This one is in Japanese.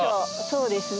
そうですね。